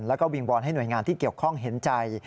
แล้วก็วิงวอนให้หน่วยงานที่เกี่ยวข้องเห็นใจ